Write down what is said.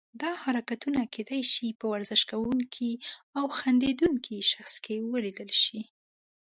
دا حرکتونه کیدای شي په ورزش کوونکي او خندیدونکي شخص کې ولیدل شي.